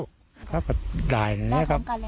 แต่คับก็ได้หรือไม๊ครับ